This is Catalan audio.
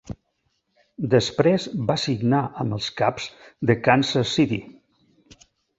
Després va signar amb els caps de Kansas City.